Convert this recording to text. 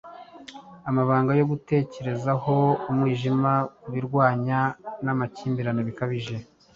Amabanga yo gutekerezaho Umwijima Kubirwanya namakimbirane bikabije,